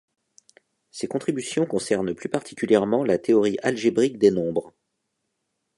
Ses contributions concernent plus particulièrement la théorie algébrique des nombres.